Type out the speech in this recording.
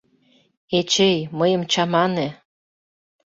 Эчей, мыйым чамане.